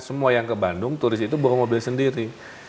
semua yang ke bandung turis itu bawa mobil sendiri